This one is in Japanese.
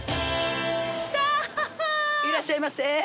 いらっしゃいませ。